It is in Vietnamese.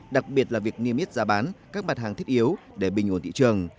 đặc biệt là việc niêm yết giá bán các bản hàng thiết yếu để bình ồn thị trường